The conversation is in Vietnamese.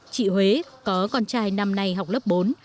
chị huế có con trai năm nay học lớp bốn